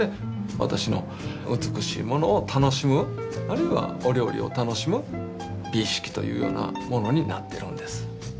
私の美しいものを楽しむあるいはお料理を楽しむ美意識というようなものになってるんです。